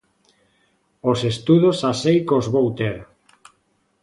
Os estudos xa sei que os vou ter.